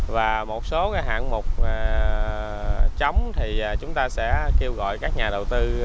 và một số hạng mục chống thì chúng ta sẽ kêu gọi các nhà đầu tư